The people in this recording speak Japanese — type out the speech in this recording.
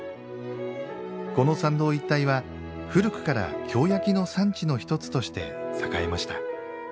この参道一帯は、古くから京焼の産地のひとつとして栄えました。